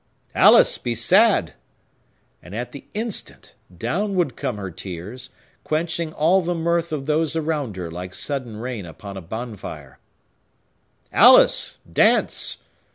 "Alice, be sad!"—and, at the instant, down would come her tears, quenching all the mirth of those around her like sudden rain upon a bonfire. "Alice, dance."